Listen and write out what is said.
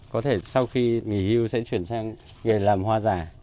có thể sau khi nghỉ hưu sẽ chuyển sang nghề làm hoa giả